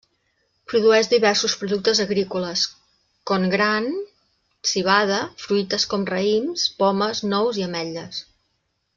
Produeix diversos productes agrícoles con gran, civada, fruites com raïms, pomes, nous, i ametlles.